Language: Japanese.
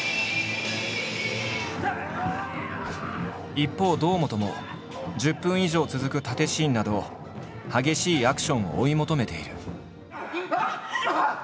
一方堂本も１０分以上続く殺陣シーンなど激しいアクションを追い求めている。